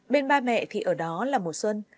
bên ba mẹ thì ở đó là mùa xuân